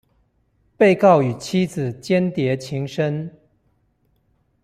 被告與妻子鰜鰈情深